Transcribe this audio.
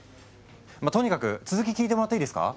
まあとにかく続き聞いてもらっていいですか？